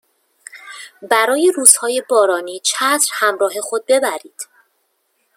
برای روزهای بارانی چتر همراه خود ببرید